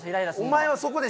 お前はそこで。